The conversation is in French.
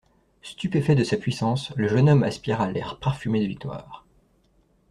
Stupéfait de sa puissance, le jeune homme aspira l'air parfumé de victoire.